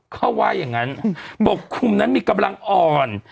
เขาว่าอย่างนั้นปกคลุมนั้นมีกำลังอ่อน